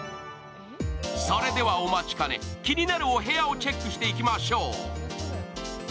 それではお待ちかね、気になるお部屋をチェックしていきましょう。